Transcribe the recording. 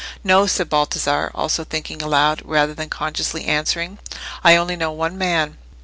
"No," said Baldassarre, also thinking aloud, rather than consciously answering, "I only know one man."